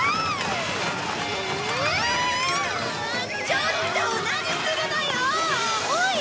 ちょっと何するのよ！おい！